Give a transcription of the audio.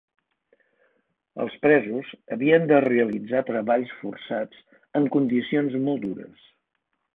Els presos havien de realitzar treballs forçats en condicions molt dures.